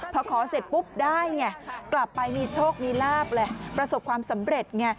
พอขอเสร็จปุ๊บได้ไงกลับไปมีโชคมีลาบเลยประสบความสำเร็จไง